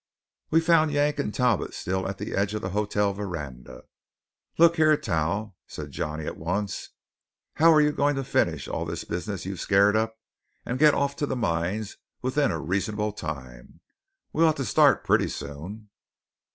We found Yank and Talbot still at the edge of the hotel veranda. "Look here, Tal!" said Johnny at once. "How are you going to finish all this business you've scared up, and get off to the mines within a reasonable time? We ought to start pretty soon."